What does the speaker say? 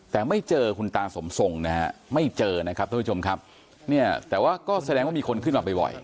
แต่ไม่เจอคุณตาสมทรงนะฮะไม่เจอนะครับท่านผู้ชมครับเนี่ยแต่ว่าก็แสดงว่ามีคนขึ้นมาบ่อย